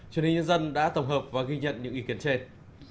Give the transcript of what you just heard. truyền hình nhân dân đã tổng hợp và ghi nhận những ý kiến trên